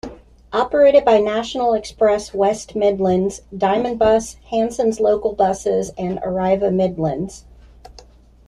Operated by National Express West Midlands, Diamond Bus, Hanson's Local Buses and Arriva Midlands.